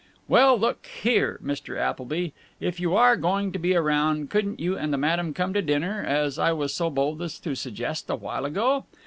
"Well, look here, Mr. Appleby; if you are going to be around, couldn't you and the madam come to dinner, as I was so bold as to suggest awhile ago?